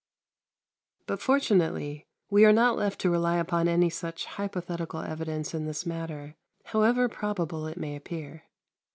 117. But fortunately we are not left to rely upon any such hypothetical evidence in this matter, however probable it may appear.